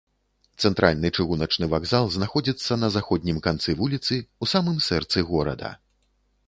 Цэнтральны чыгуначны вакзал знаходзіцца на заходнім канцы вуліцы, у самым сэрцы горада.